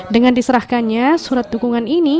dengan diserahkannya surat dukungan ini